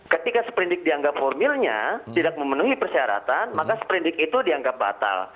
ketika seperindik dianggap formilnya tidak memenuhi persyaratan maka seperindik itu dianggap batal